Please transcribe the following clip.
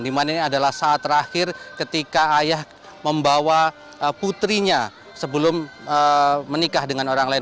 dimana ini adalah saat terakhir ketika ayah membawa putrinya sebelum menikah dengan orang lain